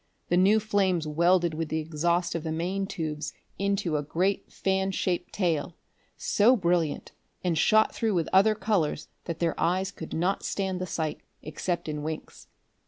The new flames welded with the exhaust of the main tubes into a great fan shaped tail, so brilliant and shot through with other colors that their eyes could not stand the sight, except in winks.